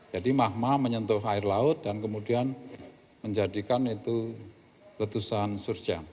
jadi mahmah menyentuh air laut dan kemudian menjadikan itu letusan surjian